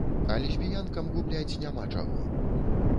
А лесбіянкам губляць няма чаго.